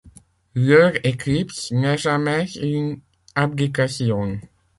Leur éclipse n’est jamais une abdication.